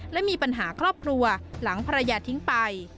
และมีปัญหาครอบครัวหลังภรรยาทิ้งไป